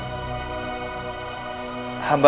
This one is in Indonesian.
gusti prat bu